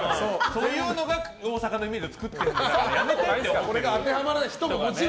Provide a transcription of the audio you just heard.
そういうのが大阪のイメージを作ってるからやめてって。